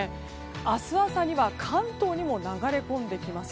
明日朝には関東にも流れ込んできます。